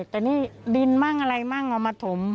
แต่นี่ดินมั่งอะไรมั่งเอามาถม